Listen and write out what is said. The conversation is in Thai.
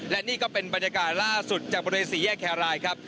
และนี่ก็เป็นบรรยากาศล่าสุดจากบริเวณสี่แยกแครรายครับ